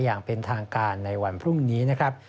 อย่างเป็นทางการในวันพรุ่งนี้นะครับ